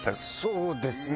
そうですね。